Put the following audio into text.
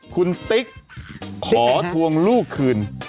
คุณติ๊กขอทวงลูกคืน